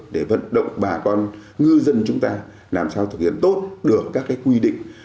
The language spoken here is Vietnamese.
để vận động bà con ngư dân chúng ta làm sao thực hiện tốt được các quy định